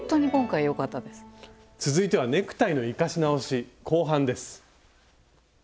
続いてはネクタイの「生かし直し」後半です。